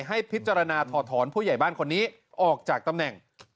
ให้พิจารณาถอดถอนผู้ใหญ่บ้านคนนี้ออกจากตำแหน่ง